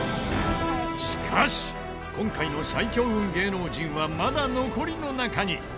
しかし今回の最強運芸能人はまだ残りの中に。